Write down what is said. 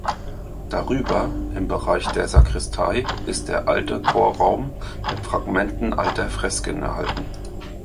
Darüber, im Bereich der Sakristei, ist der alte Chorraum mit Fragmenten alter Fresken erhalten.